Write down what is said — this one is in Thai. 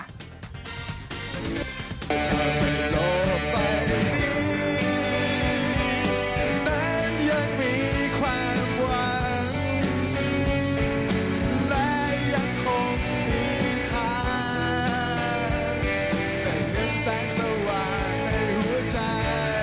แต่เหลือแสงสว่างในหัวใจ